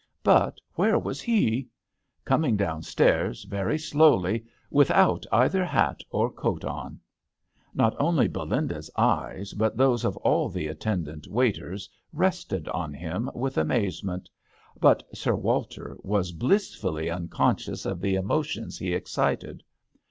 But where was he ? Coming downstairs very slowly, without either hat or coat on ! Not only Belinda's eyes, but those of all the attendant waiters rested on him with amazement ; but Sir Walter was blissfully un conscious of the emotions he excited.